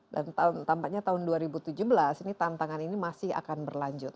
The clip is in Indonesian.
dan tampaknya tahun dua ribu tujuh belas tantangan ini masih akan berlanjut